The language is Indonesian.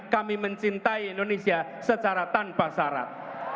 kami mencintai indonesia secara tanpa syarat